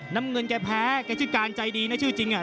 น้ำเงินแกแพ้แกชื่อการใจดีนะชื่อจริงอ่ะ